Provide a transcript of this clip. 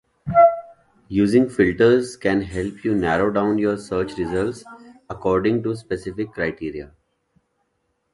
Using filters can help you narrow down your search results according to specific criteria.